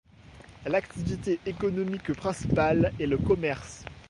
L'activité économique principale est le commerce.